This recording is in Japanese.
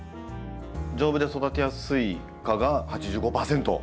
「丈夫で育てやすいか」が８５％。